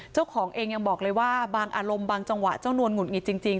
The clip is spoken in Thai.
เจ้าของเองยังบอกเลยว่าบางอารมณ์บางจังหวะเจ้านวลหงุดหงิดจริง